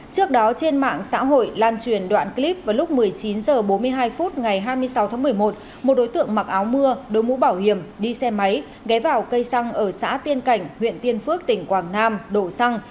trước đó trên mạng xã hội lan truyền đoạn clip vào lúc một mươi chín h bốn mươi hai phút ngày hai mươi sáu tháng một mươi một một đối tượng mặc áo mưa đối mũ bảo hiểm đi xe máy ghé vào cây xăng ở xã tiên cảnh huyện tiên phước tỉnh quảng nam đổ xăng